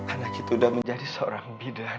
anak itu sudah menjadi seorang bidan